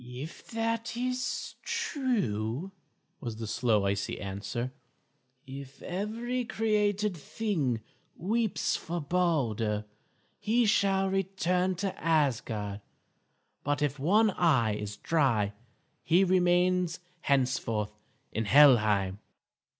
"If that is true," was the slow, icy answer, "if every created thing weeps for Balder, he shall return to Asgard; but if one eye is dry he remains henceforth in Helheim."